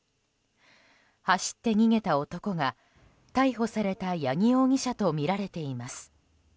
走って逃げた男が、逮捕された八木容疑者とみられています。